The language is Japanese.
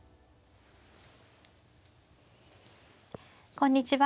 こんにちは。